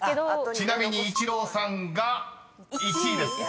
［ちなみにイチローさんが１位です］